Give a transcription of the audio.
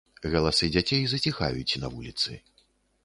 Галасы дзяцей заціхаюць на вуліцы.